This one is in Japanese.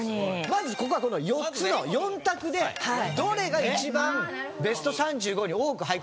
まずここはこの４つの４択でどれが一番ベスト３５に多く入ってるか。